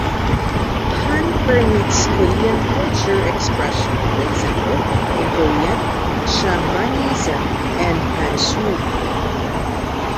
"Han" permeates Korean cultural expression, for example, in Korean shamanism and Pansori.